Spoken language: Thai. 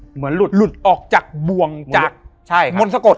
เหมือนหลุดออกจากบ่วงจากมนต์สะกด